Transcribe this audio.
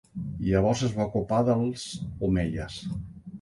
Llavors es va ocupar dels omeies.